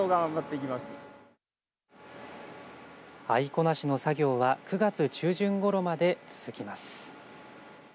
藍粉成しの作業は９月中旬ごろまで続きます。